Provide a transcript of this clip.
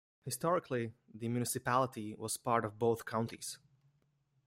Historically the municipality was part of both counties.